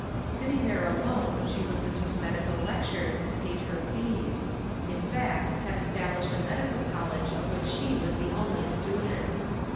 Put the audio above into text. Sit ting there alone she listened to medical lectures and paid her fees, — in fact, had established a medical college of which she was the only student.